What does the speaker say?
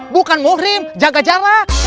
bukan muhrim jaga jalak